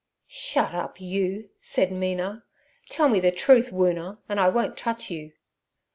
'Shut up, you!' said Mina. 'Tell me the truth, Woona, an' I won't touch you.'